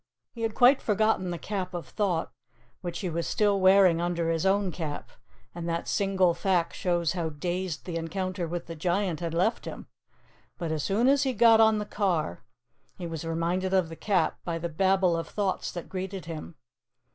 He had quite forgotten the Cap of Thought, which he was still wearing under his own cap, and that single fact shows how dazed the encounter with the Giant had left him. But as soon as he got on the car, he was reminded of the Cap by the babel of thoughts that greeted him.